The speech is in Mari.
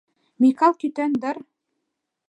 Микал кӱтен дыр...